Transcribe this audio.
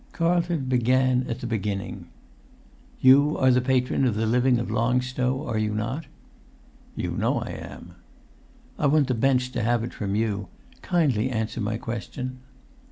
Carlton began at the beginning. "You are the patron of the living of Long Stow, are you not?" "You know I am." "I want the bench to have it from you; kindly answer my question."